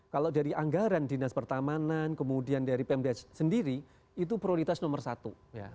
kalau dari anggaran dinas pertamanan kemudian dari pmd sendiri itu prioritas nomor satu